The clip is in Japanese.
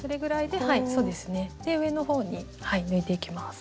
で上の方に抜いていきます。